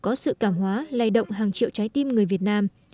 đó là một sự cảm hóa lây động hàng triệu trái tim người việt nam